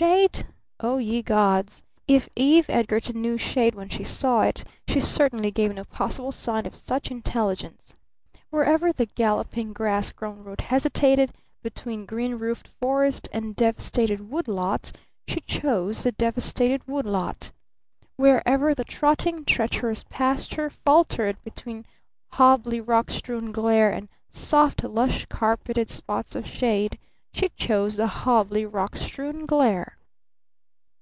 Shade? Oh, ye gods! If Eve Edgarton knew shade when she saw it she certainly gave no possible sign of such intelligence. Wherever the galloping, grass grown road hesitated between green roofed forest and devastated wood lot, she chose the devastated wood lot! Wherever the trotting, treacherous pasture faltered between hobbly, rock strewn glare and soft, lush carpeted spots of shade, she chose the hobbly, rock strewn glare!